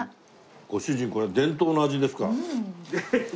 ご主人これは伝統の味ですか？